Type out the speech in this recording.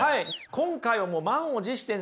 今回はもう満を持してね